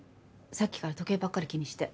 さっきから時計ばっかり気にして。